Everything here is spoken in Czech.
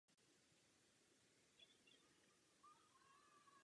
To není něco, co by si sociální demokraté přáli.